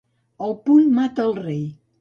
El punt mata el rei.